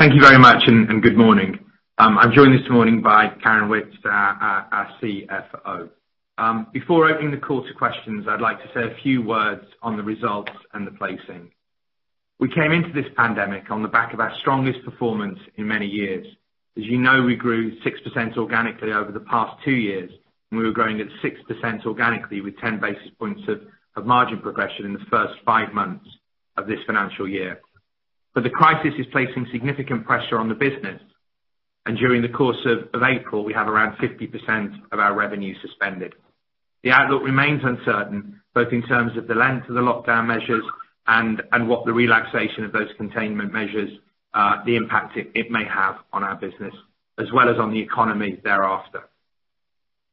Thank you very much. Good morning. I'm joined this morning by Karen Witts, our CFO. Before opening the call to questions, I'd like to say a few words on the results and the placing. We came into this pandemic on the back of our strongest performance in many years. As you know, we grew 6% organically over the past two years, and we were growing at 6% organically with 10 basis points of margin progression in the first five months of this financial year. The crisis is placing significant pressure on the business, and during the course of April, we have around 50% of our revenue suspended. The outlook remains uncertain, both in terms of the length of the lockdown measures and what the relaxation of those containment measures, the impact it may have on our business as well as on the economy thereafter.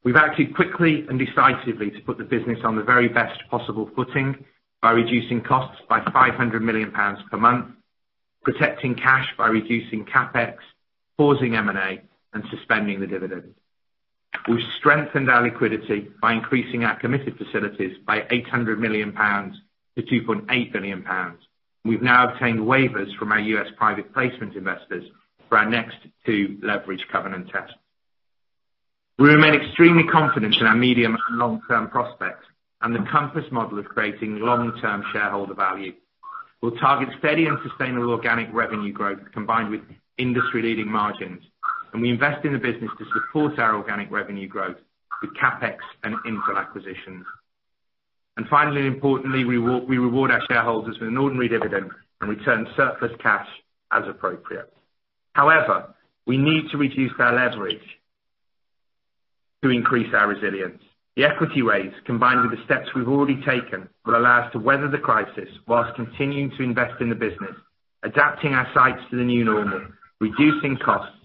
We've acted quickly and decisively to put the business on the very best possible footing by reducing costs by 500 million pounds per month, protecting cash by reducing CapEx, pausing M&A, and suspending the dividend. We've strengthened our liquidity by increasing our committed facilities by 800 million pounds to 2.8 billion pounds. We've now obtained waivers from our US private placement investors for our next two leverage covenant tests. We remain extremely confident in our medium and long-term prospects and the Compass model of creating long-term shareholder value. We'll target steady and sustainable organic revenue growth combined with industry-leading margins. We invest in the business to support our organic revenue growth with CapEx and infill acquisitions. Finally, and importantly, we reward our shareholders with an ordinary dividend and return surplus cash as appropriate. However, we need to reduce our leverage to increase our resilience. The equity raise, combined with the steps we've already taken, will allow us to weather the crisis while continuing to invest in the business, adapting our sites to the new normal, reducing costs,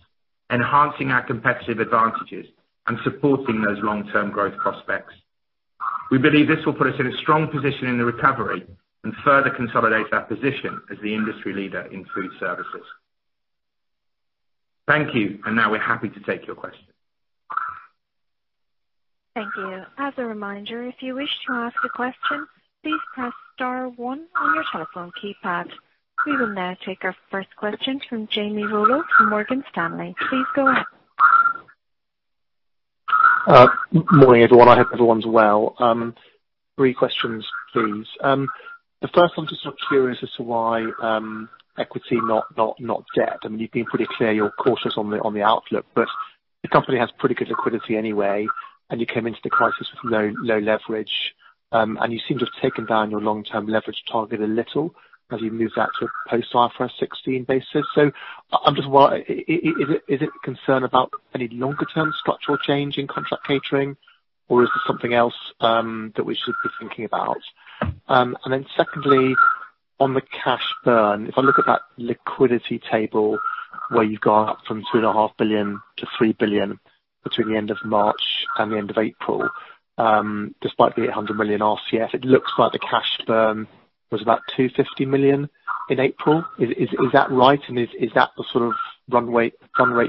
enhancing our competitive advantages, and supporting those long-term growth prospects. We believe this will put us in a strong position in the recovery and further consolidate our position as the industry leader in food services. Thank you, and now we're happy to take your questions. Thank you. As a reminder, if you wish to ask a question, please press star one on your telephone keypad. We will now take our first question from Jamie Rollo from Morgan Stanley. Please go ahead. Morning, everyone. I hope everyone's well. Three questions, please. The first one, just sort of curious as to why equity, not debt. You've been pretty clear you're cautious on the outlook, but the company has pretty good liquidity anyway, and you came into the crisis with low leverage, and you seem to have taken down your long-term leverage target a little as you move that to a post IFRS 16 basis. I'm just wondering, is it concern about any longer-term structural change in contract catering, or is there something else that we should be thinking about? Secondly, on the cash burn, if I look at that liquidity table where you've gone up from 2.5 billion to 3 billion between the end of March and the end of April, despite the 800 million RCF, it looks like the cash burn was about 250 million in April. Is that right? Is that the sort of run rate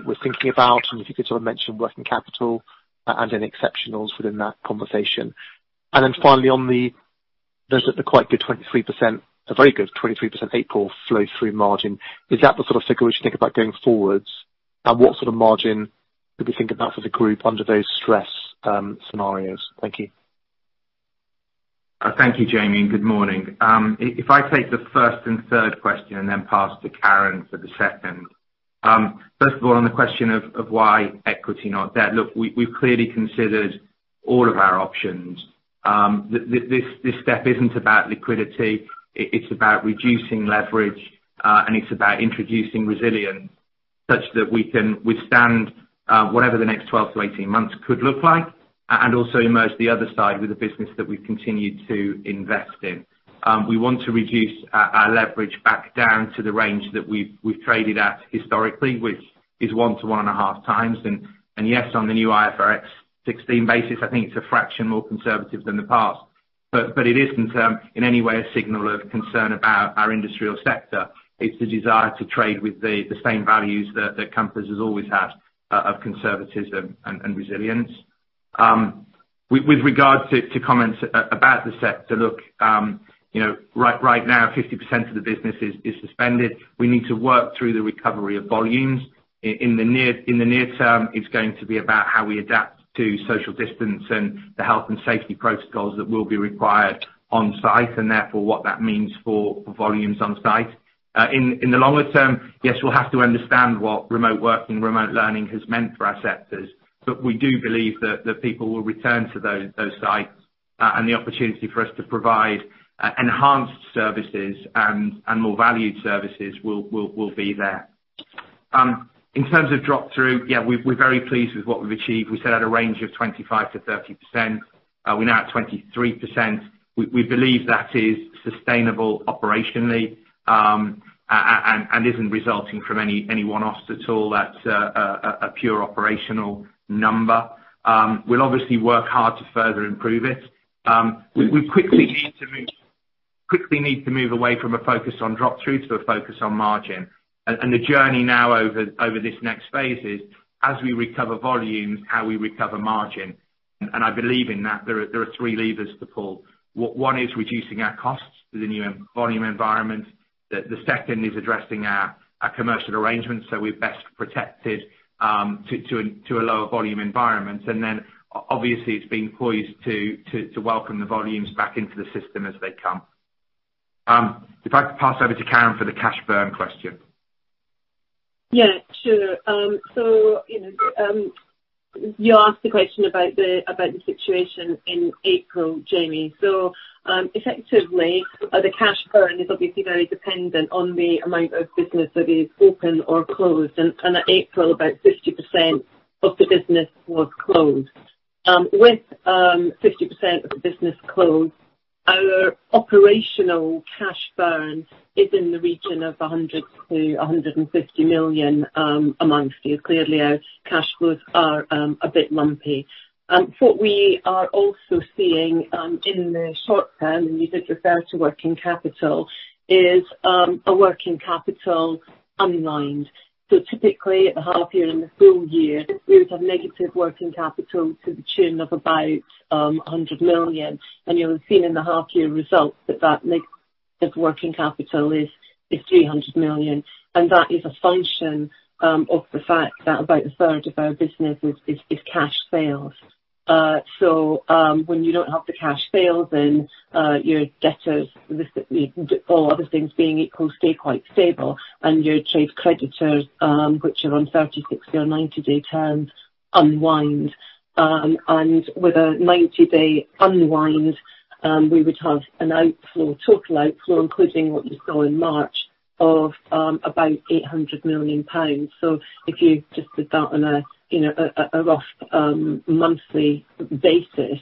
we're thinking about? If you could sort of mention working capital and any exceptionals within that conversation. Finally, there's a quite good 23%, a very good 23% April flow through margin. Is that the sort of figure we should think about going forwards? What sort of margin do we think about for the group under those stress scenarios? Thank you. Thank you, Jamie, and good morning. If I take the first and third question and then pass to Karen for the second. First of all, on the question of why equity, not debt. Look, we've clearly considered all of our options. This step isn't about liquidity. It's about reducing leverage, and it's about introducing resilience such that we can withstand whatever the next 12 to 18 months could look like, and also emerge the other side with a business that we continue to invest in. We want to reduce our leverage back down to the range that we've traded at historically, which is one to one and a half times. Yes, on the new IFRS 16 basis, I think it's a fraction more conservative than the past. It isn't in any way a signal of concern about our industry or sector. It's the desire to trade with the same values that Compass has always had of conservatism and resilience. With regard to comments about the sector, look, right now 50% of the business is suspended. We need to work through the recovery of volumes. In the near term, it's going to be about how we adapt to social distance and the health and safety protocols that will be required on-site, and therefore what that means for volumes on-site. In the longer term, yes, we'll have to understand what remote working, remote learning has meant for our sectors. We do believe that the people will return to those sites, and the opportunity for us to provide enhanced services and more valued services will be there. In terms of drop-through, yeah, we're very pleased with what we've achieved. We set out a range of 25%-30%. We're now at 23%. We believe that is sustainable operationally and isn't resulting from any one-offs at all. That's a pure operational number. We'll obviously work hard to further improve it. We quickly need to move away from a focus on drop-through to a focus on margin. The journey now over this next phase is, as we recover volumes, how we recover margin. I believe in that there are three levers to pull. One is reducing our costs within the volume environment. The second is addressing our commercial arrangements, so we're best protected to a lower volume environment. Then obviously it's being poised to welcome the volumes back into the system as they come. If I could pass over to Karen for the cash burn question. Yeah, sure. You asked the question about the situation in April, Jamie. Effectively, the cash burn is obviously very dependent on the amount of business that is open or closed. At April, about 50% of the business was closed. With 50% of the business closed, our operational cash burn is in the region of 100 million-150 million a month. Clearly our cash flows are a bit lumpy. What we are also seeing in the short term, and you did refer to working capital, is a working capital unwind. Typically at the half year and the full year, we would have negative working capital to the tune of about 100 million. You'll have seen in the half year results that that negative working capital is 300 million. That is a function of the fact that about a third of our business is cash sales. When you don't have the cash sales, then your debtors, all other things being equal, stay quite stable and your trade creditors, which are on 30, 60 or 90-day terms, unwind. With a 90-day unwind, we would have a total outflow, including what you saw in March, of about 800 million pounds. If you just did that on a rough monthly basis,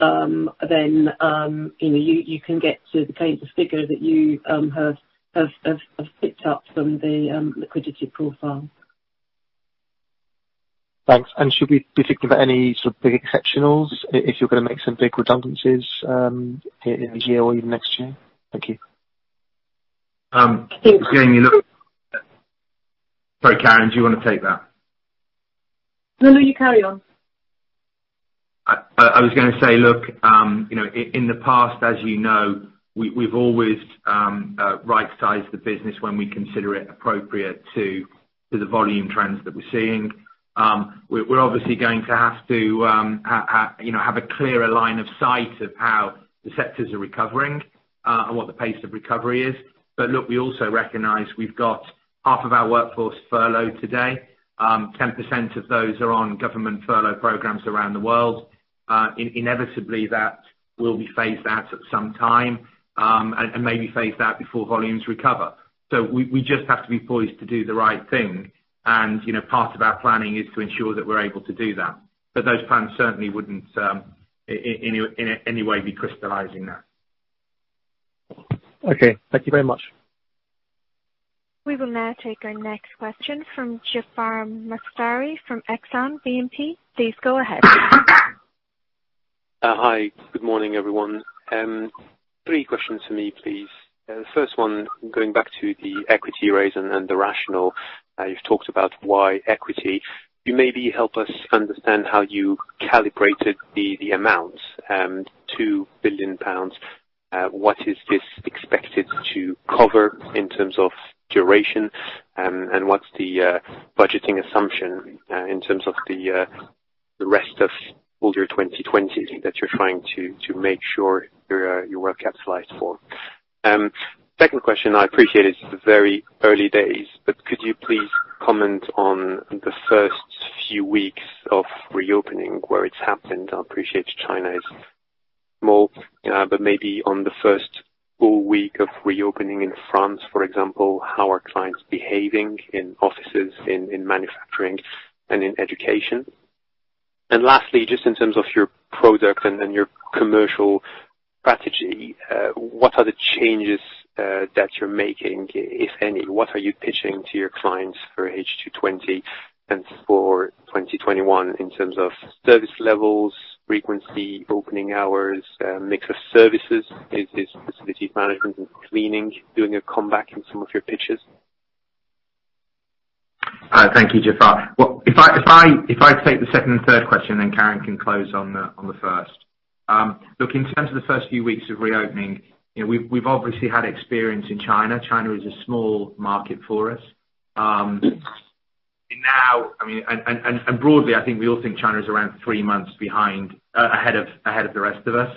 then you can get to the kinds of figures that you have picked up from the liquidity profile. Thanks. Should we be thinking about any sort of big exceptionals, if you're going to make some big redundancies, in this year or even next year? Thank you. I think- Again, Sorry, Karen, do you want to take that? No, you carry on. I was going to say, look, in the past, as you know, we've always right-sized the business when we consider it appropriate to the volume trends that we're seeing. We're obviously going to have a clearer line of sight of how the sectors are recovering, and what the pace of recovery is. Look, we also recognize we've got half of our workforce furloughed today. 10% of those are on government furlough programs around the world. Inevitably that will be phased out at some time, and maybe phased out before volumes recover. We just have to be poised to do the right thing and part of our planning is to ensure that we're able to do that. Those plans certainly wouldn't in any way be crystallizing that. Okay. Thank you very much. We will now take our next question from Jaafar Mestari from Exane BNP. Please go ahead. Hi. Good morning, everyone. Three questions for me, please. The first one, going back to the equity raise and the rationale. You've talked about why equity. Can you maybe help us understand how you calibrated the amounts, 2 billion pounds? What is this expected to cover in terms of duration, and what's the budgeting assumption, in terms of the rest of all your 2020 that you're trying to make sure you're well capitalized for? Second question, I appreciate it's very early days, but could you please comment on the first few weeks of reopening where it's happened? Maybe on the first full week of reopening in France, for example, how are clients behaving in offices, in manufacturing and in education? Lastly, just in terms of your product and your commercial strategy, what are the changes that you're making, if any? What are you pitching to your clients for H2 2020 and for 2021 in terms of service levels, frequency, opening hours, mix of services? Is facility management and cleaning doing a comeback in some of your pitches? Thank you, Jaafar. If I take the second and third question, then Karen can close on the first. In terms of the first few weeks of reopening, we've obviously had experience in China. China is a small market for us. Broadly, I think we all think China is around three months ahead of the rest of us.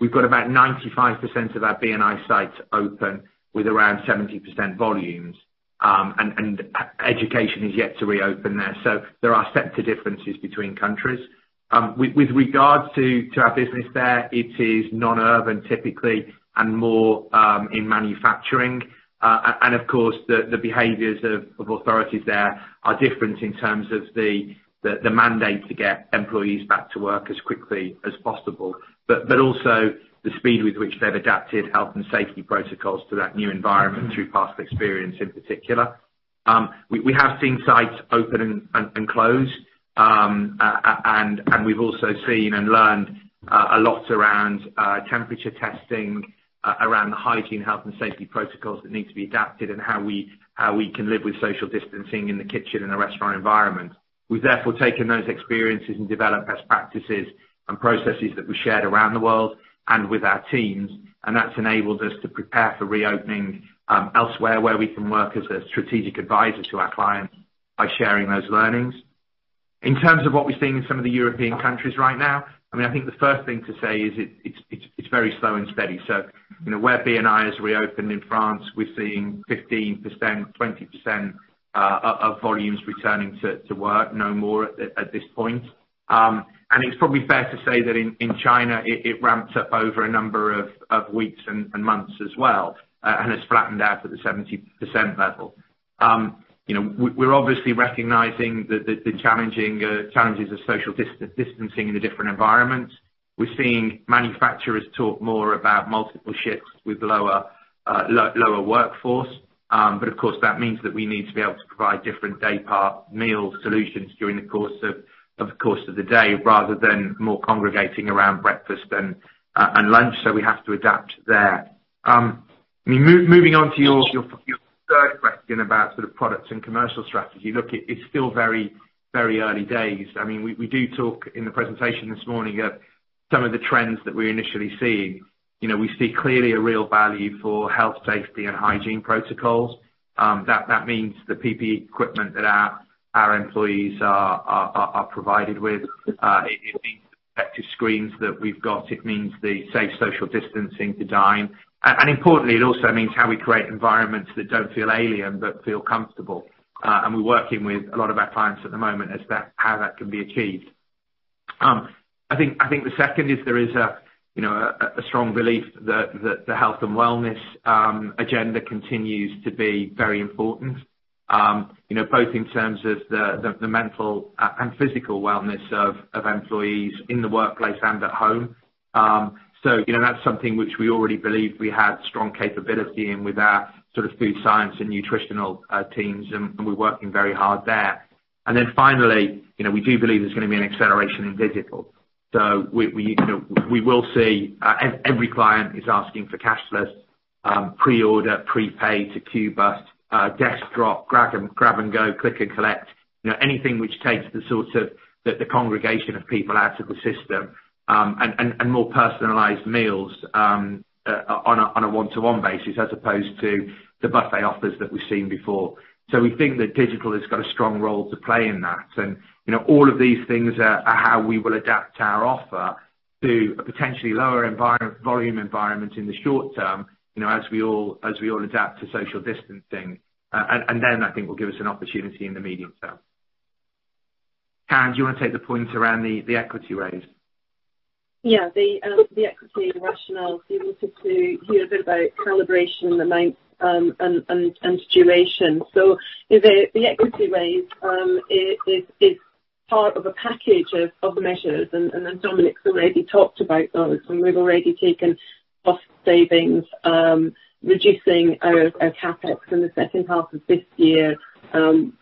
We've got about 95% of our B&I sites open with around 70% volumes, and education is yet to reopen there. There are sector differences between countries. With regards to our business there, it is non-urban, typically and more in manufacturing. Of course, the behaviors of authorities there are different in terms of the mandate to get employees back to work as quickly as possible. Also the speed with which they've adapted health and safety protocols to that new environment through past experience in particular. We have seen sites open and close. We've also seen and learned a lot around temperature testing, around the hygiene, health, and safety protocols that need to be adapted, and how we can live with social distancing in the kitchen in a restaurant environment. We've therefore taken those experiences and developed best practices and processes that we shared around the world and with our teams, and that's enabled us to prepare for reopening elsewhere, where we can work as a strategic advisor to our clients by sharing those learnings. In terms of what we're seeing in some of the European countries right now, I think the first thing to say is it's very slow and steady. Where B&I has reopened in France, we're seeing 15%, 20% of volumes returning to work, no more at this point. It's probably fair to say that in China, it ramps up over a number of weeks and months as well. It's flattened out at the 70% level. We're obviously recognizing the challenges of social distancing in the different environments. We're seeing manufacturers talk more about multiple shifts with lower workforce. Of course, that means that we need to be able to provide different day meal solutions during the course of the day, rather than more congregating around breakfast and lunch, so we have to adapt there. Moving on to your third question about sort of products and commercial strategy. Look, it's still very early days. We do talk in the presentation this morning of some of the trends that we're initially seeing. We see clearly a real value for health, safety, and hygiene protocols. That means the PPE equipment that our employees are provided with. It means the protective screens that we've got, it means the safe social distancing to dine. Importantly, it also means how we create environments that don't feel alien, but feel comfortable. We're working with a lot of our clients at the moment as that how that can be achieved. I think the second is there is a strong belief that the health and wellness agenda continues to be very important, both in terms of the mental and physical wellness of employees in the workplace and at home. That's something which we already believe we have strong capability in with our sort of food science and nutritional teams, and we're working very hard there. Finally, we do believe there's going to be an acceleration in digital. We will see every client is asking for cashless, pre-order, prepaid to queue bust, desk drop, grab and go, click and collect, anything which takes the sorts of the congregation of people out of the system, and more personalized meals on a one-to-one basis as opposed to the buffet offers that we've seen before. We think that digital has got a strong role to play in that. All of these things are how we will adapt our offer to a potentially lower volume environment in the short term as we all adapt to social distancing. Then I think will give us an opportunity in the medium term. Karen, do you want to take the point around the equity raise? The equity rationale, you wanted to hear a bit about calibration amounts and duration. The equity raise is part of a package of measures, Dominic's already talked about those. We've already taken cost savings, reducing our CapEx in the second half of this year,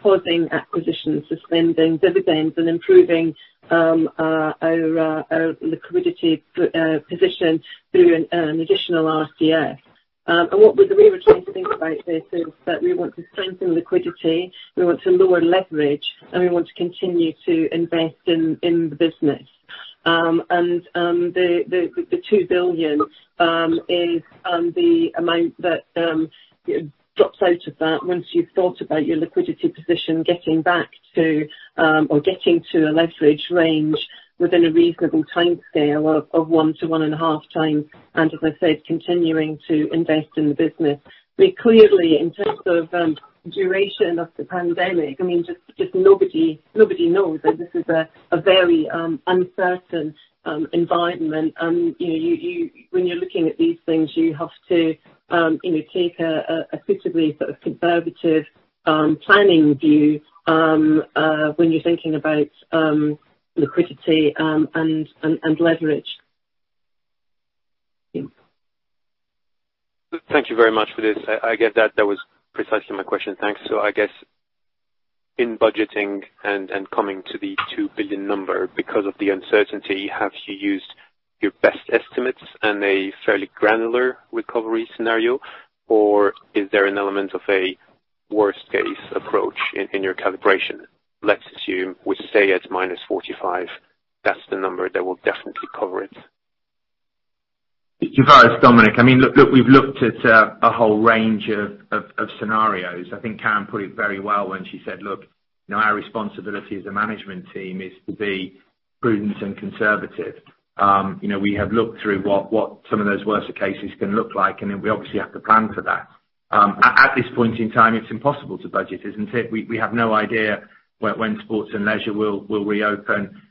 pausing acquisitions, suspending dividends, improving the liquidity position through an additional RCF. What the way we're trying to think about this is that we want to strengthen liquidity, we want to lower leverage, we want to continue to invest in the business. The 2 billion is the amount that drops out of that once you've thought about your liquidity position getting back to or getting to a leverage range within a reasonable timescale of 1 to 1.5 times. As I said, continuing to invest in the business. We clearly, in terms of duration of the pandemic, just nobody knows. This is a very uncertain environment. When you're looking at these things, you have to take a critically sort of conservative planning view when you're thinking about liquidity and leverage. Thank you very much for this. I get that was precisely my question. Thanks. I guess in budgeting and coming to the 2 billion number because of the uncertainty, have you used your best estimates and a fairly granular recovery scenario, or is there an element of a worst-case approach in your calibration? Let's assume we stay at -45, that's the number that will definitely cover it. You've asked Dominic. Look, we've looked at a whole range of scenarios. I think Karen put it very well when she said, look, our responsibility as a management team is to be prudent and conservative. We have looked through what some of those worst cases can look like, and then we obviously have to plan for that. At this point in time, it's impossible to budget, isn't it? We have no idea when sports and leisure will reopen.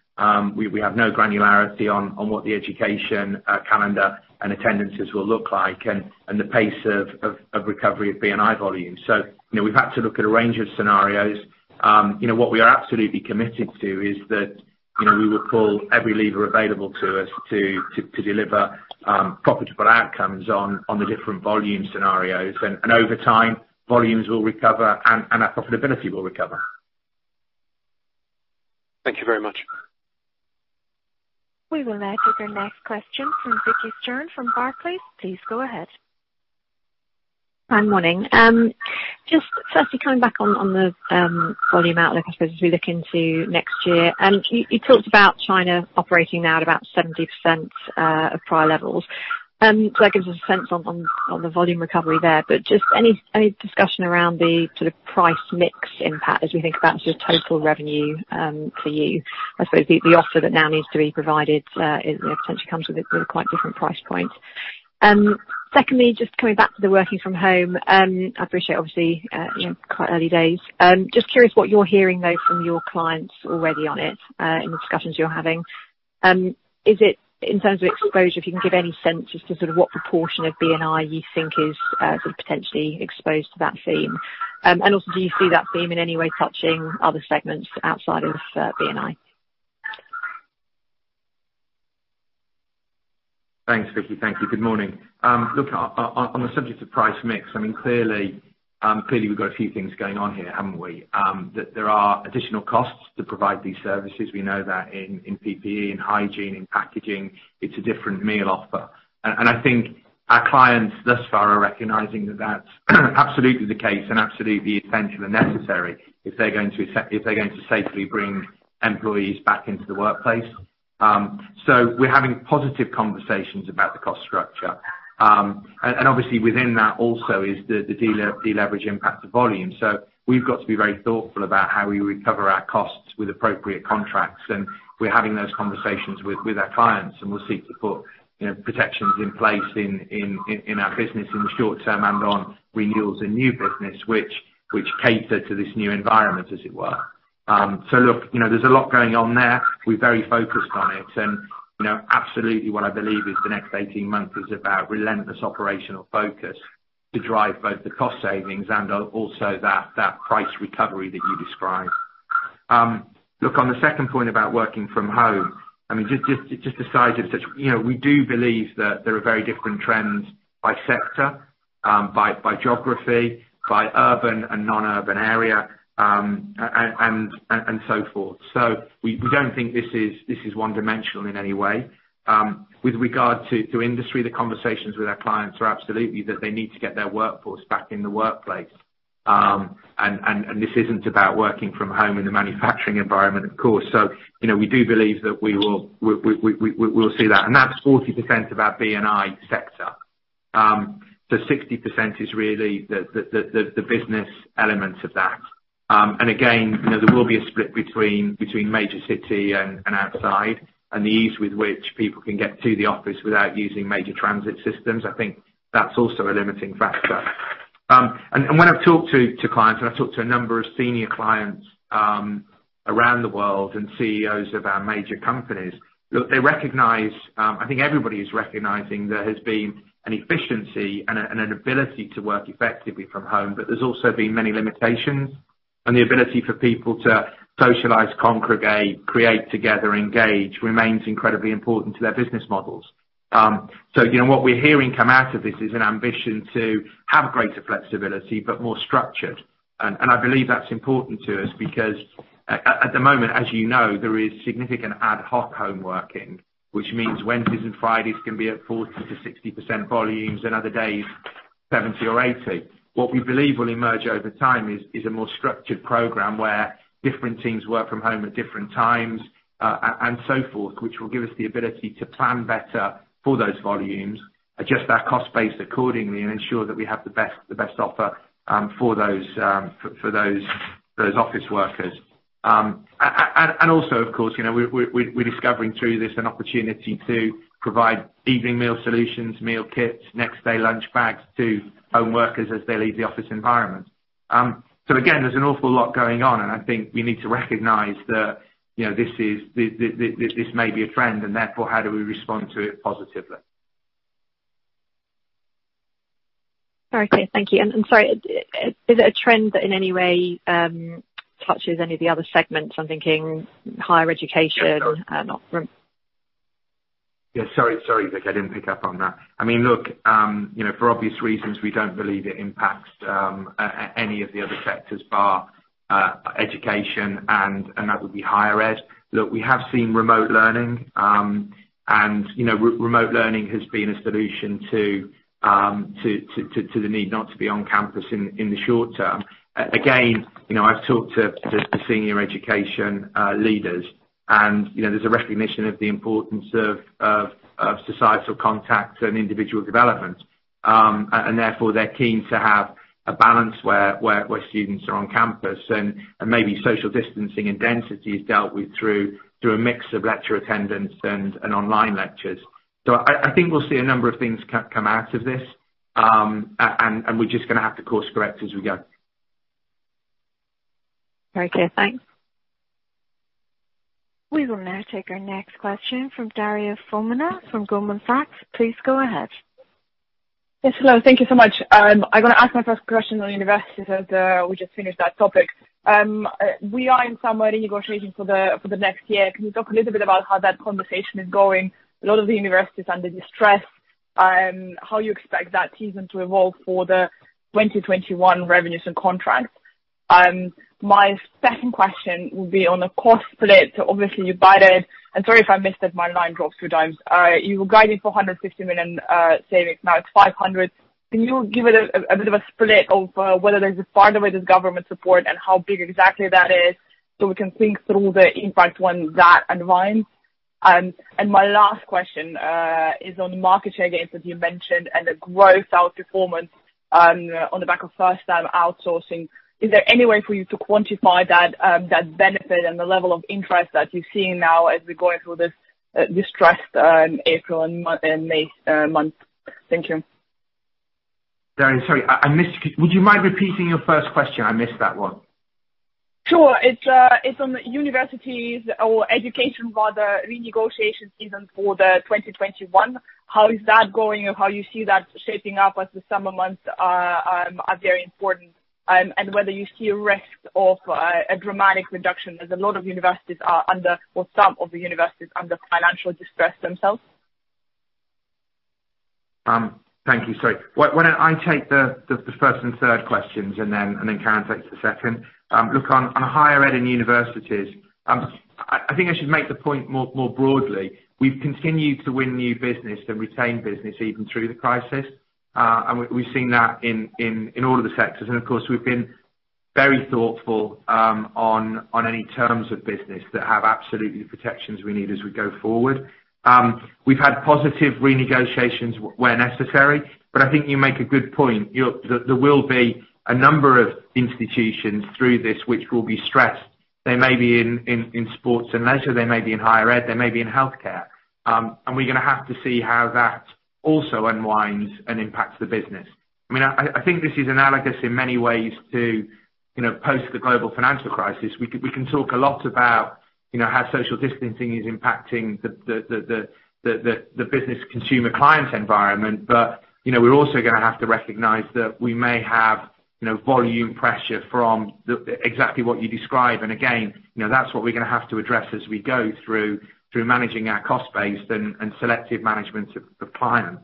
We have no granularity on what the education calendar and attendances will look like and the pace of recovery of B&I volume. We've had to look at a range of scenarios. What we are absolutely committed to is that we will pull every lever available to us to deliver profitable outcomes on the different volume scenarios. Over time, volumes will recover and our profitability will recover. Thank you very much. We will now take our next question from Vicki Stern from Barclays. Please go ahead. Hi, morning. Just firstly, coming back on the volume outlook, I suppose, as we look into next year. You talked about China operating now at about 70% of prior levels. That gives a sense on the volume recovery there. Just any discussion around the price mix impact as we think about just total revenue for you? I suppose the offer that now needs to be provided potentially comes with a quite different price point. Secondly, just coming back to the working from home. I appreciate, obviously, quite early days. Just curious what you're hearing, though, from your clients already on it, in the discussions you're having. Is it, in terms of exposure, if you can give any sense as to sort of what proportion of B&I you think is sort of potentially exposed to that theme? Also, do you see that theme in any way touching other segments outside of B&I? Thanks, Vicki. Thank you. Good morning. Look, on the subject of price mix, clearly, we've got a few things going on here, haven't we? That there are additional costs to provide these services. We know that in PPE, in hygiene, in packaging, it's a different meal offer. I think our clients thus far are recognizing that that's absolutely the case and absolutely essential and necessary if they're going to safely bring employees back into the workplace. We're having positive conversations about the cost structure. Obviously within that also is the deleverage impact of volume. We've got to be very thoughtful about how we recover our costs with appropriate contracts, and we're having those conversations with our clients, and we'll seek to put protections in place in our business in the short term and on renewals and new business which cater to this new environment, as it were. Look, there's a lot going on there. We're very focused on it, and absolutely what I believe is the next 18 months is about relentless operational focus to drive both the cost savings and also that price recovery that you describe. Look, on the second point about working from home, we do believe that there are very different trends by sector, by geography, by urban and non-urban area, and so forth. We don't think this is one-dimensional in any way. With regard to industry, the conversations with our clients are absolutely that they need to get their workforce back in the workplace. This isn't about working from home in a manufacturing environment, of course. We do believe that we'll see that. That's 40% of our B&I sector. 60% is really the business elements of that. Again, there will be a split between major city and outside and the ease with which people can get to the office without using major transit systems. I think that's also a limiting factor. When I've talked to clients, and I've talked to a number of senior clients around the world and CEOs of our major companies, look, they recognize, I think everybody is recognizing there has been an efficiency and an ability to work effectively from home, but there's also been many limitations and the ability for people to socialize, congregate, create together, engage, remains incredibly important to their business models. What we're hearing come out of this is an ambition to have greater flexibility, but more structured. I believe that's important to us because at the moment, as you know, there is significant ad hoc home working, which means Wednesdays and Fridays can be at 40%-60% volumes, and other days, 70% or 80%. What we believe will emerge over time is a more structured program where different teams work from home at different times, and so forth, which will give us the ability to plan better for those volumes, adjust our cost base accordingly, and ensure that we have the best offer for those office workers. Also, of course, we're discovering through this an opportunity to provide evening meal solutions, meal kits, next day lunch bags to home workers as they leave the office environment. Again, there's an awful lot going on, and I think we need to recognize that this may be a trend, and therefore, how do we respond to it positively? Okay, thank you. Sorry, is it a trend that in any way touches any of the other segments? I'm thinking higher education and. Yeah, sorry, Vicki, I didn't pick up on that. Look, for obvious reasons, we don't believe it impacts any of the other sectors bar education. That would be higher ed. Look, we have seen remote learning. Remote learning has been a solution to the need not to be on campus in the short term. Again, I've talked to senior education leaders. There's a recognition of the importance of societal contact and individual development. Therefore, they're keen to have a balance where students are on campus and maybe social distancing and density is dealt with through a mix of lecture attendance and online lectures. I think we'll see a number of things come out of this. We're just going to have to course correct as we go. Okay, thanks. We will now take our next question from Daria Fomina from Goldman Sachs. Please go ahead. Yes, hello. Thank you so much. I'm going to ask my first question on universities as we just finished that topic. We are in some renegotiating for the next year. Can you talk a little bit about how that conversation is going? A lot of the universities are under distress. How you expect that season to evolve for the 2021 revenues and contracts. My second question will be on the cost split. Obviously you guided and sorry if I missed it, my line dropped two times. You guided for 150 million savings, now it's 500 million. Can you give it a bit of a split of whether there's a part of it is government support and how big exactly that is so we can think through the impact when that unwinds? My last question is on market share gains, as you mentioned, and the growth outperformance on the back of first-time outsourcing. Is there any way for you to quantify that benefit and the level of interest that you're seeing now as we're going through this distressed April and May month? Thank you. Sorry, I missed. Would you mind repeating your first question? I missed that one. Sure. It's on the universities or education, rather, renegotiation season for 2021. How is that going and how you see that shaping up as the summer months are very important, and whether you see a risk of a dramatic reduction, as a lot of universities are under, or some of the universities, under financial distress themselves? Thank you. Sorry. Why don't I take the first and third questions and then Karen takes the second. Look, on higher ed in universities, I think I should make the point more broadly. We've continued to win new business and retain business even through the crisis. We've seen that in all of the sectors. Of course, we've been very thoughtful on any terms of business that have absolutely the protections we need as we go forward. We've had positive renegotiations where necessary, but I think you make a good point. There will be a number of institutions through this which will be stressed. They may be in sports and leisure, they may be in higher ed, they may be in healthcare. We're going to have to see how that also unwinds and impacts the business. I think this is analogous in many ways to post the global financial crisis. We can talk a lot about how social distancing is impacting the business consumer client environment. We're also going to have to recognize that we may have volume pressure from exactly what you describe. Again, that's what we're going to have to address as we go through managing our cost base and selective management of clients.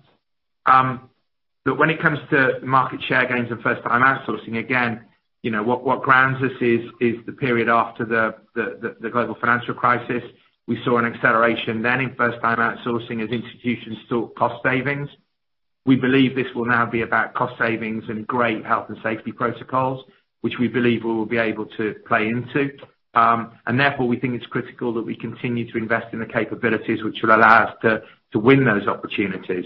When it comes to market share gains and first-time outsourcing, again, what grounds us is the period after the global financial crisis. We saw an acceleration then in first-time outsourcing as institutions sought cost savings. We believe this will now be about cost savings and great health and safety protocols, which we believe we will be able to play into. Therefore, we think it's critical that we continue to invest in the capabilities which will allow us to win those opportunities.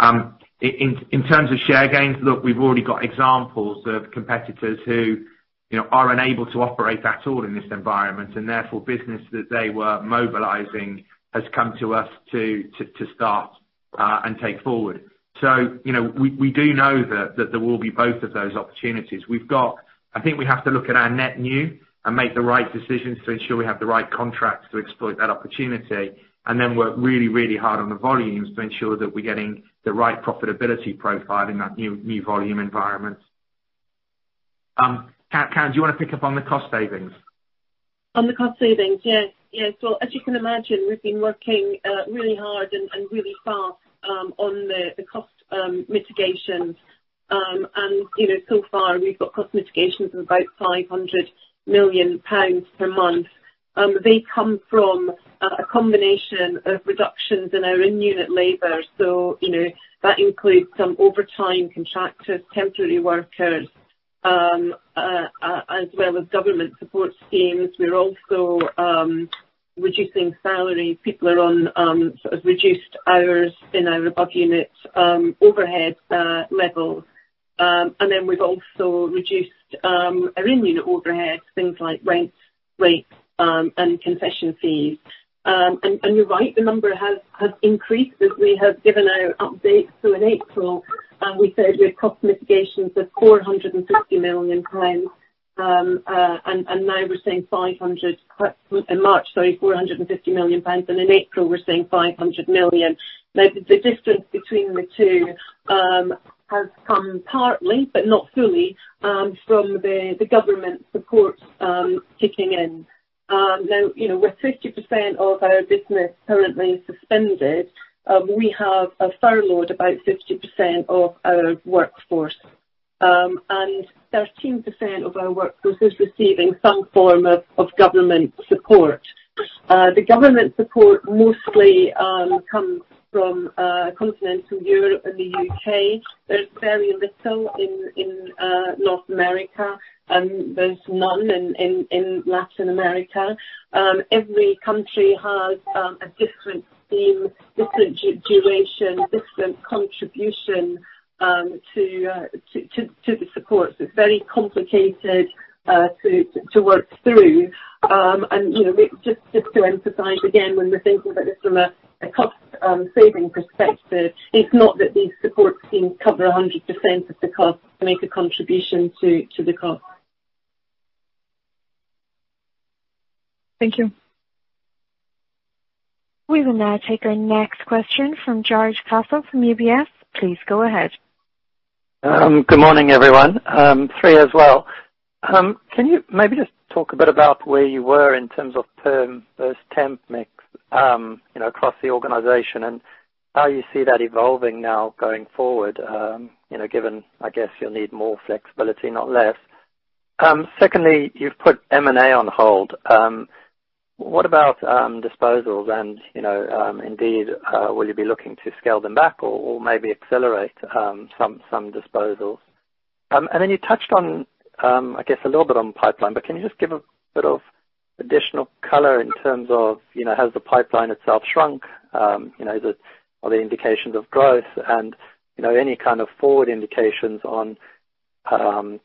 In terms of share gains, look, we've already got examples of competitors who are unable to operate at all in this environment, and therefore business that they were mobilizing has come to us to start and take forward. We do know that there will be both of those opportunities. I think we have to look at our net new and make the right decisions to ensure we have the right contracts to exploit that opportunity, and then work really, really hard on the volumes to ensure that we're getting the right profitability profile in that new volume environment. Karen, do you want to pick up on the cost savings? On the cost savings? Yes. As you can imagine, we've been working really hard and really fast on the cost mitigation. So far we've got cost mitigations of about 500 million pounds per month. They come from a combination of reductions in our in-unit labor. That includes some overtime contractors, temporary workers, as well as government support schemes. We're also reducing salary. People are on reduced hours in our above-unit overhead level. We've also reduced our in-unit overheads, things like rents, rates, and concession fees. You're right, the number has increased as we have given our updates through in April. We said we had cost mitigations of 450 million pounds, now we're saying 500 million. In March, sorry, 450 million pounds, in April we're saying 500 million. The distance between the two has come partly but not fully from the government support kicking in. With 50% of our business currently suspended, we have furloughed about 50% of our workforce. 13% of our workforce is receiving some form of government support. The government support mostly comes from continental Europe and the U.K. There's very little in North America, and there's none in Latin America. Every country has a different scheme, different duration, different contribution to the support. It's very complicated to work through. Just to emphasize again, when we're thinking about this from a cost-saving perspective, it's not that these support schemes cover 100% of the cost. They make a contribution to the cost. Thank you. We will now take our next question from George Weston from UBS. Please go ahead. Good morning, everyone. Three as well. Can you maybe just talk a bit about where you were in terms of perm versus temp mix across the organization, and how you see that evolving now going forward, given, I guess, you'll need more flexibility, not less. Secondly, you've put M&A on hold. What about disposals, and indeed, will you be looking to scale them back or maybe accelerate some disposals? You touched on, I guess, a little bit on pipeline, but can you just give a bit of additional color in terms of has the pipeline itself shrunk? Are there indications of growth? Any kind of forward indications on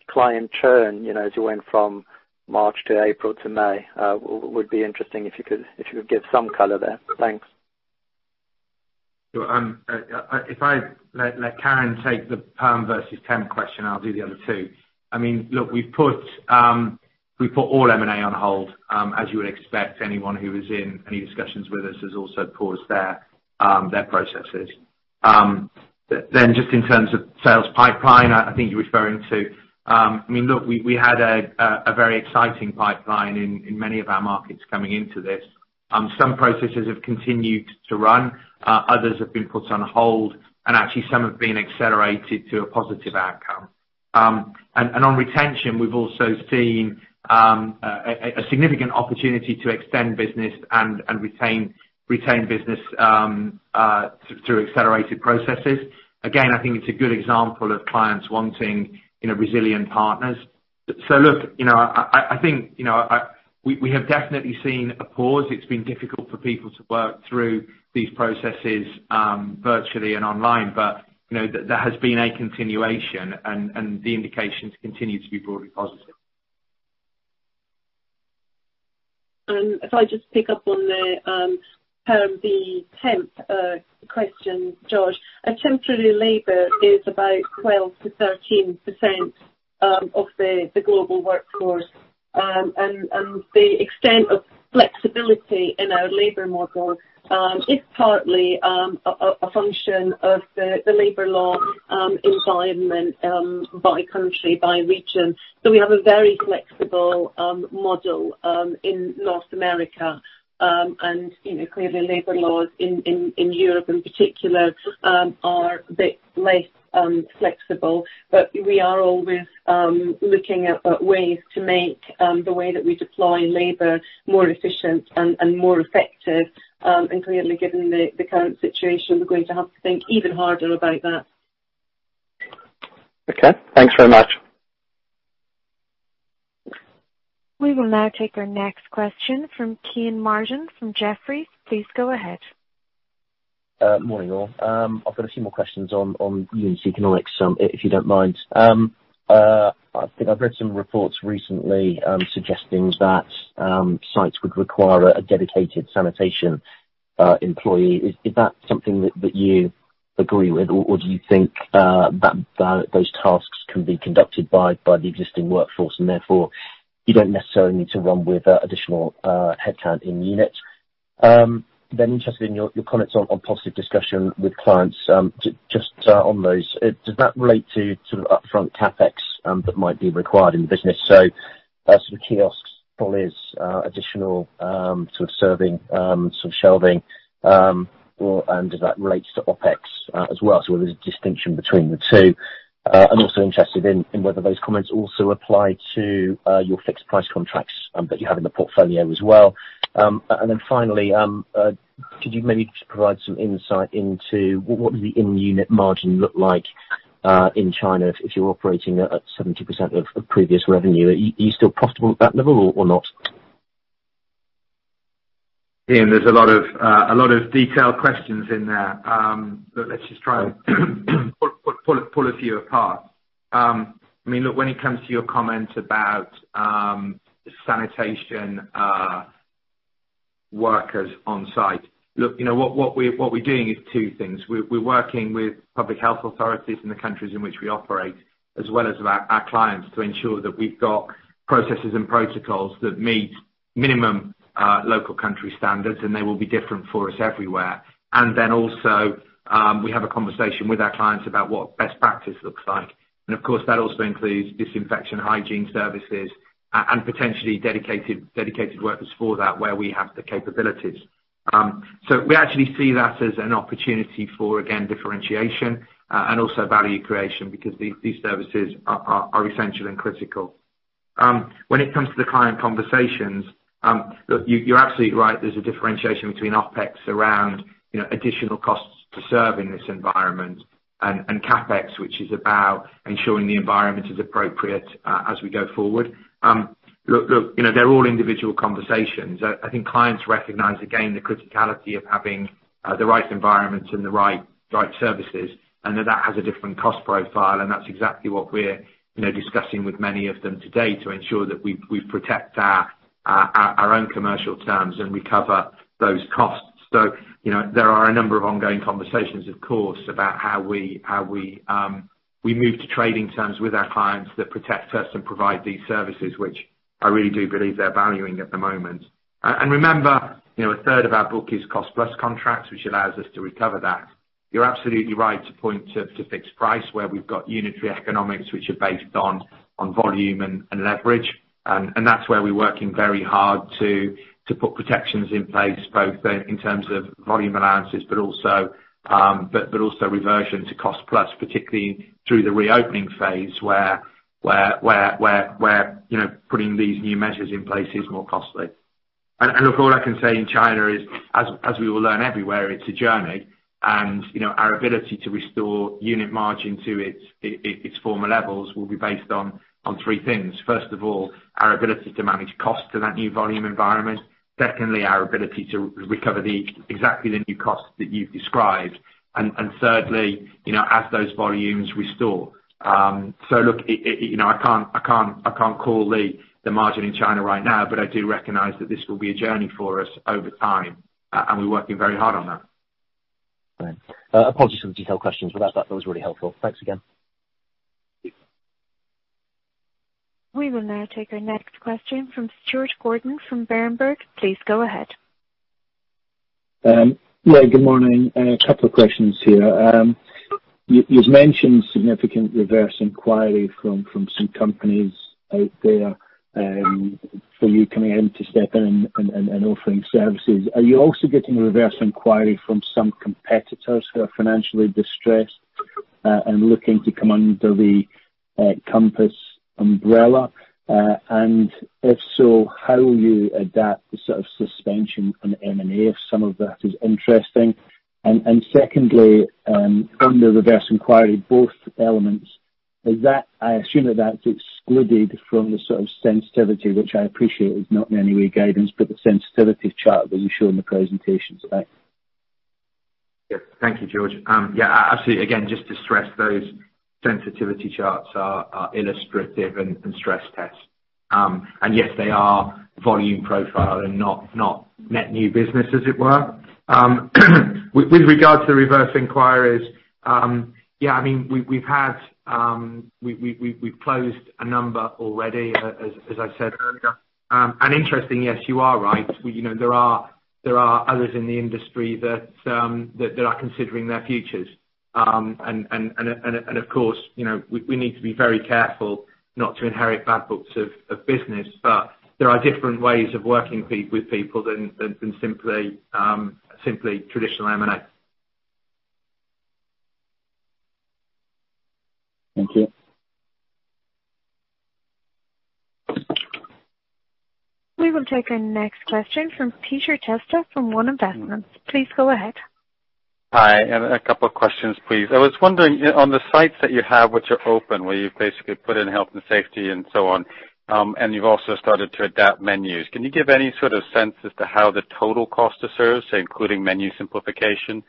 client churn as you went from March to April to May would be interesting if you could give some color there. Thanks. Sure. If I let Karen take the perm versus temp question, I'll do the other two. Look, we've put all M&A on hold, as you would expect. Anyone who was in any discussions with us has also paused their processes. Just in terms of sales pipeline. Look, we had a very exciting pipeline in many of our markets coming into this. Some processes have continued to run, others have been put on hold, and actually some have been accelerated to a positive outcome. On retention, we've also seen a significant opportunity to extend business and retain business through accelerated processes. Again, I think it's a good example of clients wanting resilient partners. Look, I think we have definitely seen a pause. It's been difficult for people to work through these processes virtually and online. There has been a continuation, and the indications continue to be broadly positive. If I just pick up on the perm v temp question, George. Temporary labor is about 12%-13% of the global workforce. The extent of flexibility in our labor model is partly a function of the labor law environment by country, by region. We have a very flexible model in North America. Clearly, labor laws in Europe in particular are a bit less flexible. We are always looking at ways to make the way that we deploy labor more efficient and more effective. Clearly, given the current situation, we're going to have to think even harder about that. Okay. Thanks very much. We will now take our next question from Kean Marden from Jefferies. Please go ahead. Morning, all. I've got a few more questions on unit economics, if you don't mind. I think I've read some reports recently suggesting that sites would require a dedicated sanitation employee. Is that something that you agree with, or do you think that those tasks can be conducted by the existing workforce, and therefore you don't necessarily need to run with additional headcount in unit? Interested in your comments on positive discussion with clients just on those. Does that relate to upfront CapEx that might be required in the business? Kiosks, trollies, additional serving, shelving, and does that relate to OpEx as well? Whether there's a distinction between the two. I'm also interested in whether those comments also apply to your fixed price contracts that you have in the portfolio as well. Finally, could you maybe just provide some insight into what does the in-unit margin look like in China if you're operating at 70% of previous revenue? Are you still profitable at that level or not? Kean, there's a lot of detailed questions in there. Let's just try and pull a few apart. Look, when it comes to your comment about sanitation workers on site. Look, what we're doing is two things. We're working with public health authorities in the countries in which we operate, as well as our clients, to ensure that we've got processes and protocols that meet minimum local country standards, and they will be different for us everywhere. Then also, we have a conversation with our clients about what best practice looks like. Of course, that also includes disinfection hygiene services and potentially dedicated workers for that where we have the capabilities. We actually see that as an opportunity for, again, differentiation and also value creation because these services are essential and critical. When it comes to the client conversations, look, you're absolutely right. There's a differentiation between OpEx around additional costs to serve in this environment and CapEx, which is about ensuring the environment is appropriate as we go forward. They're all individual conversations. I think clients recognize, again, the criticality of having the right environment and the right services, and that that has a different cost profile, and that's exactly what we're discussing with many of them today to ensure that we protect our own commercial terms and recover those costs. There are a number of ongoing conversations, of course, about how we move to trading terms with our clients that protect us and provide these services, which I really do believe they're valuing at the moment. Remember, a third of our book is cost-plus contracts, which allows us to recover that. You're absolutely right to point to fixed price, where we've got unitary economics, which are based on volume and leverage. That's where we're working very hard to put protections in place, both in terms of volume allowances, but also reversion to cost-plus, particularly through the reopening phase, where putting these new measures in place is more costly. Look, all I can say in China is, as we all learn everywhere, it's a journey. Our ability to restore unit margin to its former levels will be based on three things. First of all, our ability to manage cost to that new volume environment. Secondly, our ability to recover exactly the new costs that you've described. Thirdly, as those volumes restore. Look, I can't call the margin in China right now, but I do recognize that this will be a journey for us over time, and we're working very hard on that. Right. Apologies for the detailed questions, but that was really helpful. Thanks again. We will now take our next question from Stuart Gordon from Berenberg. Please go ahead. Yeah, good morning. A couple of questions here. You've mentioned significant reverse inquiry from some companies out there, for you coming in to step in and offering services. Are you also getting reverse inquiry from some competitors who are financially distressed and looking to come under the Compass umbrella? If so, how will you adapt the sort of suspension on M&A, if some of that is interesting? Secondly, under reverse inquiry, both elements, I assume that that's excluded from the sort of sensitivity, which I appreciate is not in any way guidance, but the sensitivity chart that you show in the presentation today. Yes. Thank you, George. Yeah, absolutely. Again, just to stress, those sensitivity charts are illustrative and stress test. Yes, they are volume profile and not net new business, as it were. With regard to the reverse inquiries, we've closed a number already, as I said earlier. Interesting, yes, you are right. There are others in the industry that are considering their futures. Of course, we need to be very careful not to inherit bad books of business, but there are different ways of working with people than simply traditional M&A. Thank you. We will take our next question from Peter Testa, from One Investments. Please go ahead. Hi, a couple of questions, please. I was wondering on the sites that you have which are open, where you've basically put in health and safety and so on, and you've also started to adapt menus. Can you give any sort of sense as to how the total cost of service, including menu simplification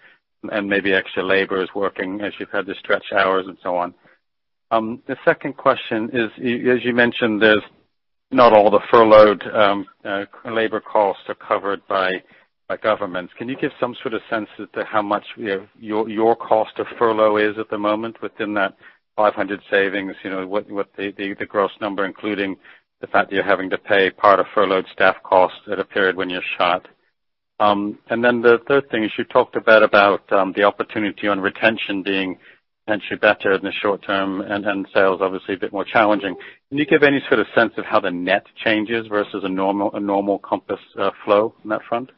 and maybe extra labor is working as you've had to stretch hours and so on? The second question is, as you mentioned, there's not all the furloughed labor costs are covered by governments. Can you give some sort of sense as to how much your cost of furlough is at the moment within that 500 savings, what the gross number, including the fact that you're having to pay part of furloughed staff costs at a period when you're shut? The third thing is, you talked a bit about the opportunity on retention being potentially better in the short term and sales obviously a bit more challenging. Can you give any sort of sense of how the net changes versus a normal Compass flow on that front?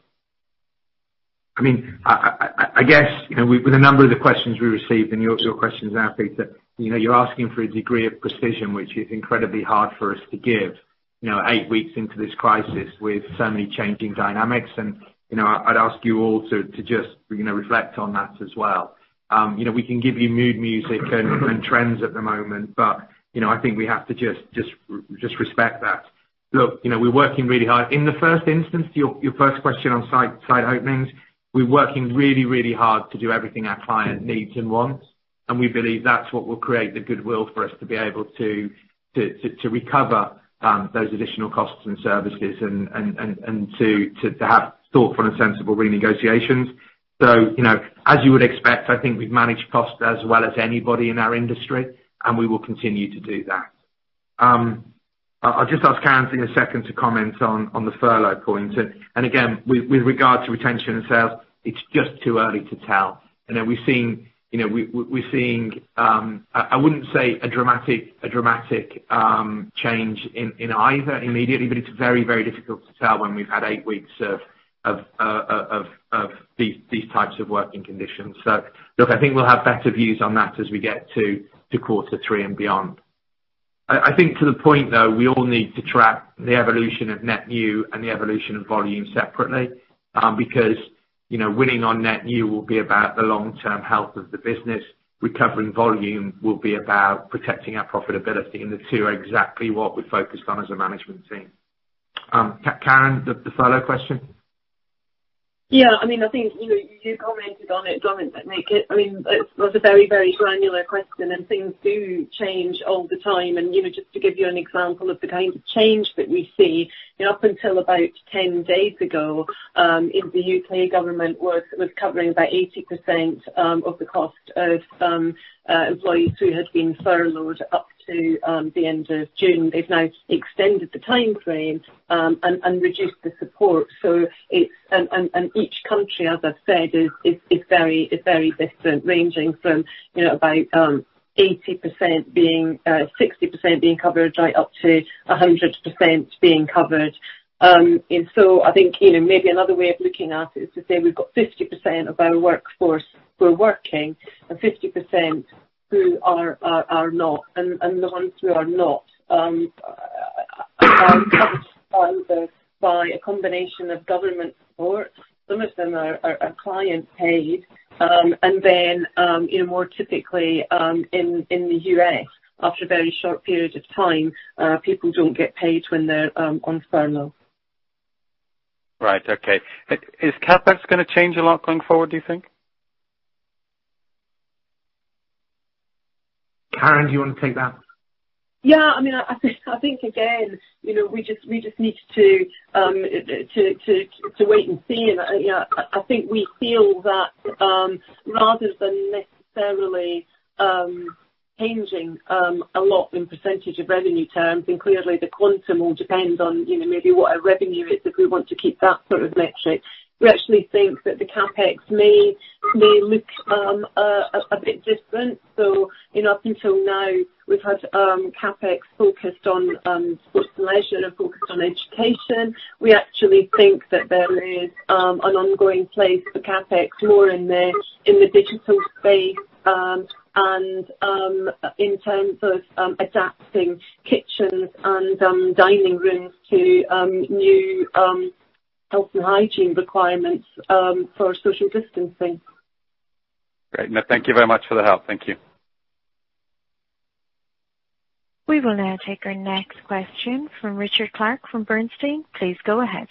I guess, with a number of the questions we received and your questions now, Peter, you're asking for a degree of precision, which is incredibly hard for us to give eight weeks into this crisis with so many changing dynamics. I'd ask you all to just reflect on that as well. We can give you mood music and trends at the moment, but I think we have to just respect that. Look, we're working really hard. In the first instance, your first question on site openings, we're working really hard to do everything our client needs and wants, and we believe that's what will create the goodwill for us to be able to recover those additional costs and services and to have thoughtful and sensible renegotiations. As you would expect, I think we've managed costs as well as anybody in our industry, and we will continue to do that. I'll just ask Karen, in a second, to comment on the furlough point. Again, with regard to retention and sales, it's just too early to tell. We're seeing, I wouldn't say a dramatic change in either immediately, but it's very difficult to tell when we've had eight weeks of these types of working conditions. Look, I think we'll have better views on that as we get to quarter three and beyond. I think to the point, though, we all need to track the evolution of net new and the evolution of volume separately. Winning on net new will be about the long-term health of the business. Recovering volume will be about protecting our profitability, and the two are exactly what we're focused on as a management team. Karen, the furlough question? Yeah. I think you commented on it, Dominic. Things do change all the time. Just to give you an example of the kind of change that we see, up until about 10 days ago, the U.K. government was covering about 80% of the cost of employees who had been furloughed up to the end of June. They've now extended the timeframe and reduced the support. Each country, as I've said, is very different, ranging from about 60% being covered right up to 100% being covered. I think maybe another way of looking at it is to say we've got 50% of our workforce who are working and 50% who are not. The ones who are not are funded by a combination of government support. Some of them are client-paid. More typically, in the U.S., after a very short period of time, people don't get paid when they're on furlough. Right. Okay. Is CapEx going to change a lot going forward, do you think? Karen, do you want to take that? I think, again, we just need to wait and see. I think we feel that rather than necessarily changing a lot in percentage of revenue terms, and clearly the quantum will depend on maybe what our revenue is, if we want to keep that sort of metric, we actually think that the CapEx may look a bit different. Up until now, we've had CapEx focused on sports and leisure, focused on education. We actually think that there is an ongoing place for CapEx more in the digital space and in terms of adapting kitchens and dining rooms to new health and hygiene requirements for social distancing. Great. Thank you very much for the help. Thank you. We will now take our next question from Richard Clarke from Bernstein. Please go ahead.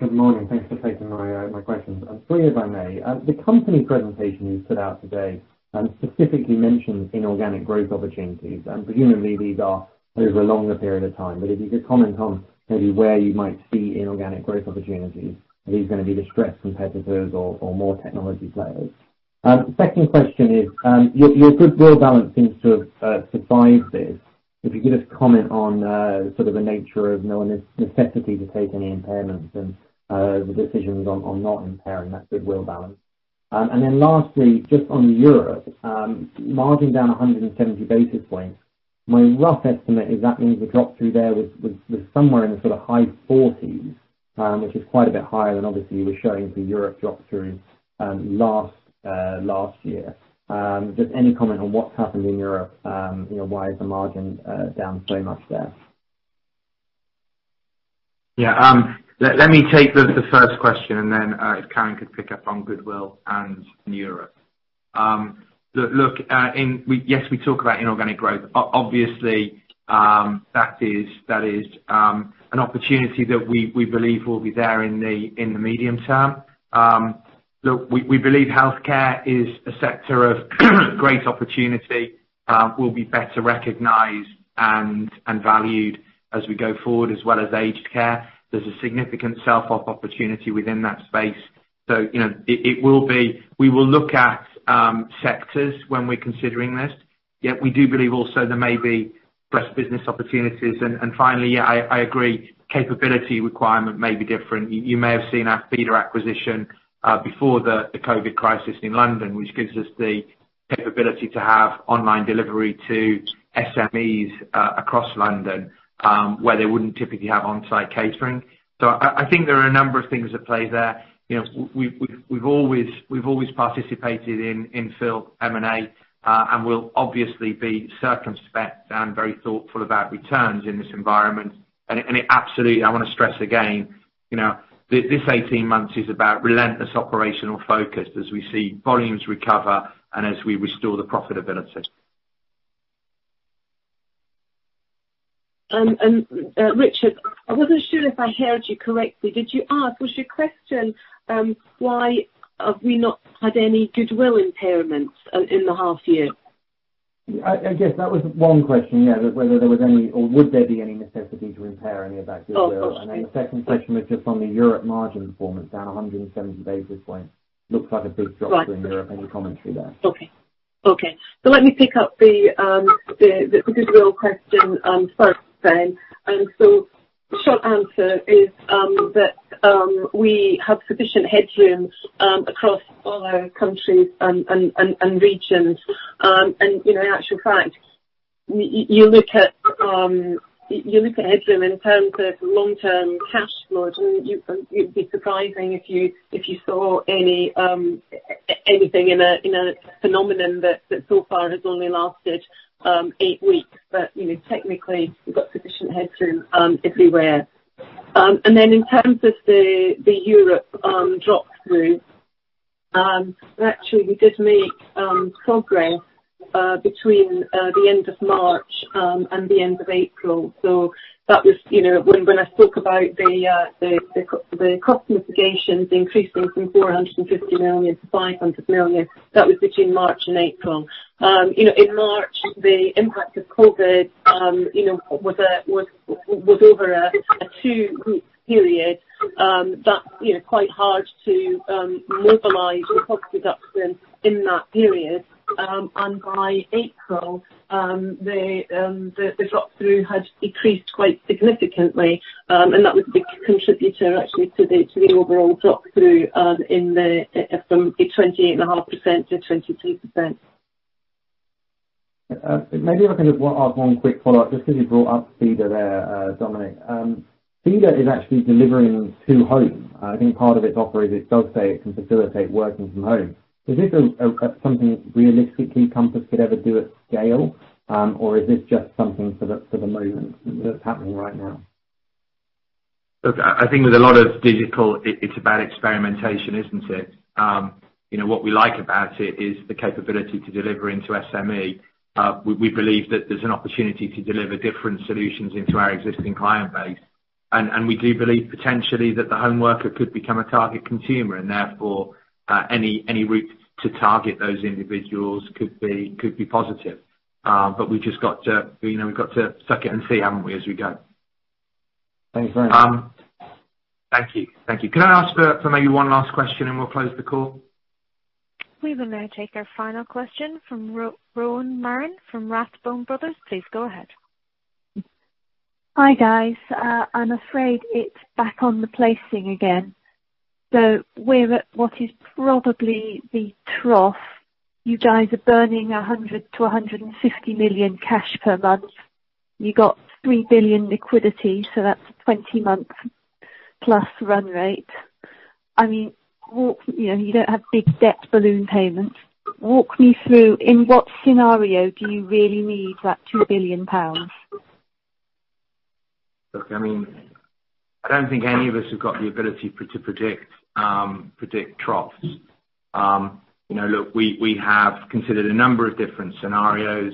Good morning. Thanks for taking my questions. Three, if I may. The company presentation you put out today specifically mentions inorganic growth opportunities. Presumably these are over a longer period of time, but if you could comment on maybe where you might see inorganic growth opportunities. Are these going to be distressed competitors or more technology players? Second question is, your goodwill balance seems to have survived this. If you could just comment on the nature of no necessity to take any impairments and the decisions on not impairing that goodwill balance. Lastly, just on Europe, margin down 170 basis points. My rough estimate is that means the drop-through there was somewhere in the sort of high 40s, which is quite a bit higher than obviously you were showing for Europe drop-throughs last year. Just any comment on what's happened in Europe? Why is the margin down so much there? Yeah. Let me take the first question, and then if Karen could pick up on goodwill and Europe. Look, yes, we talk about inorganic growth. Obviously, that is an opportunity that we believe will be there in the medium term. Look, we believe healthcare is a sector of great opportunity, will be better recognized and valued as we go forward, as well as aged care. There's a significant self-op opportunity within that space. We will look at sectors when we're considering this, yet we do believe also there may be fresh business opportunities. Finally, I agree, capability requirement may be different. You may have seen our Feedr acquisition before the COVID crisis in London, which gives us the capability to have online delivery to SMEs across London where they wouldn't typically have on-site catering. I think there are a number of things at play there. We've always participated in infill M&A, and we'll obviously be circumspect and very thoughtful about returns in this environment. Absolutely, I want to stress again, this 18 months is about relentless operational focus as we see volumes recover and as we restore the profitability. Richard, I wasn't sure if I heard you correctly. Was your question why have we not had any goodwill impairments in the half year? Yes, that was one question, yeah, whether there was any or would there be any necessity to impair any of that goodwill. Oh, got you. Then the second question was just on the Europe margin performance, down 170 basis points. Looks like a big drop-through in Europe. Any commentary there? Let me pick up the goodwill question first then. The short answer is that we have sufficient headroom across all our countries and regions. In actual fact, you look at headroom in terms of long-term cash flow, you'd be surprised if you saw anything in a phenomenon that so far has only lasted eight weeks. Technically, we've got sufficient headroom everywhere. In terms of the Europe drop-through, actually, we did make progress between the end of March and the end of April. When I spoke about the cost mitigations increasing from 450 million to 500 million, that was between March and April. In March, the impact of COVID was over a two-week period, that's quite hard to mobilize your cost reduction in that period. By April, the drop-through had decreased quite significantly, and that was the contributor actually to the overall drop-through from the 28.5% to 22%. Maybe if I could just ask one quick follow-up, just because you brought up Feedr there, Dominic. Feedr is actually delivering to home. I think part of its offer is it does say it can facilitate working from home. Is this something realistically Compass could ever do at scale? Is this just something for the moment that's happening right now? Look, I think with a lot of digital, it's about experimentation, isn't it? What we like about it is the capability to deliver into SME. We believe that there's an opportunity to deliver different solutions into our existing client base. We do believe potentially that the home worker could become a target consumer, and therefore, any route to target those individuals could be positive. We've just got to suck it and see, haven't we, as we go. Thanks very much. Thank you. Can I ask for maybe one last question, and we'll close the call? Please allow me to take our final question from Rowan Dartington from Rathbone Brothers. Please go ahead. Hi, guys. I'm afraid it's back on the placing again. We're at what is probably the trough. You guys are burning 100 million-150 million cash per month. You got 3 billion liquidity, that's 20-month plus run rate. You don't have big debt balloon payments. Walk me through in what scenario do you really need that 2 billion pounds? Look, I don't think any of us have got the ability to predict troughs. Look, we have considered a number of different scenarios.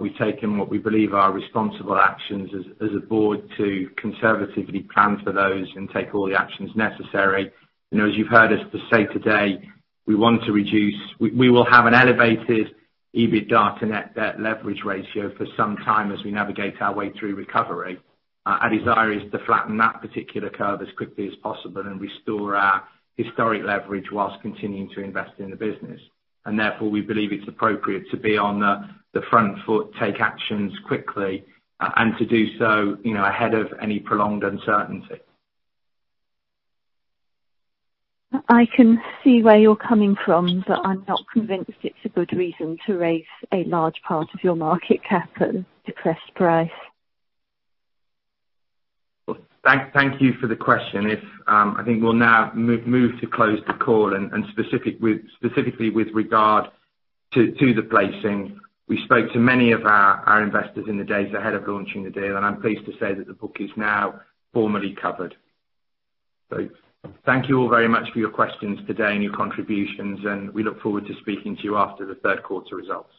We've taken what we believe are responsible actions as a board to conservatively plan for those and take all the actions necessary. As you've heard us say today, we will have an elevated EBITDA to net debt leverage ratio for some time as we navigate our way through recovery. Our desire is to flatten that particular curve as quickly as possible and restore our historic leverage while continuing to invest in the business. Therefore, we believe it's appropriate to be on the front foot, take actions quickly, and to do so ahead of any prolonged uncertainty. I can see where you're coming from. I'm not convinced it's a good reason to raise a large part of your market cap at a depressed price. Well, thank you for the question. I think we will now move to close the call, and specifically with regard to the placing. We spoke to many of our investors in the days ahead of launching the deal, and I am pleased to say that the book is now formally covered. Thank you all very much for your questions today and your contributions, and we look forward to speaking to you after the third quarter results.